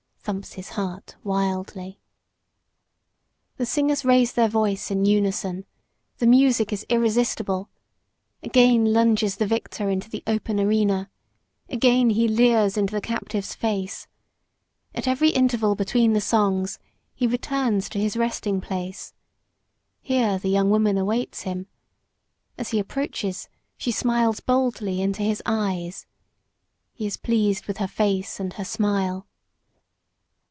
thumps his heart wildly. The singers raise their voices in unison. The music is irresistible. Again lunges the victor into the open arena. Again he leers into the captive's face. At every interval between the songs he returns to his resting place. Here the young woman awaits him. As he approaches she smiles boldly into his eyes. He is pleased with her face and her smile.